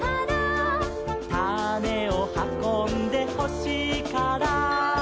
「たねをはこんでほしいから」